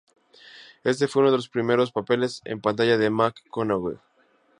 Este fue uno de los primeros papeles en pantalla de McConaughey.